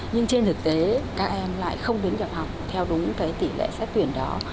nhưng trên thực tế các em lại không đến nhập học theo đúng cái tỷ lệ xét tuyển đó